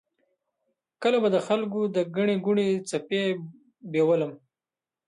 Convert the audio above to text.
کله به د خلکو د ګڼې ګوڼې څپې بیولم.